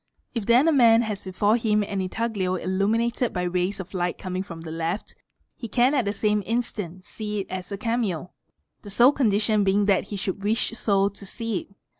If then a man has before him an intaglio illuminated by rays o light coming from the left, he can at the same instant see it as a cameo the sole condition being that he should wish so to see it.